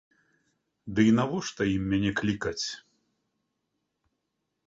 Ды і навошта ім мяне клікаць?